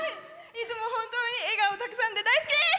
いつも本当に笑顔たくさんで大好きです。